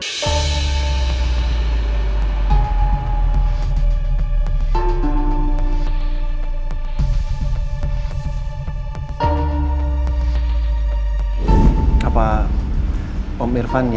ada apa apa kondisi di dalam ini dan itu